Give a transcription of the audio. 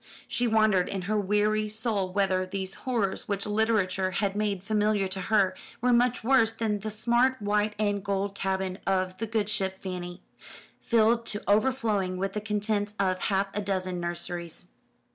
She wondered in her weary soul whether these horrors, which literature had made familiar to her, were much worse than the smart white and gold cabin of the good ship Fanny, filled to overflowing with the contents of half a dozen nurseries.